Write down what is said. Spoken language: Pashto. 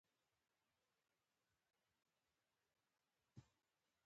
فقیر هغه نه دئ، چي لږ لري؛ بلکي هغه دئ، چي زیات غواړي.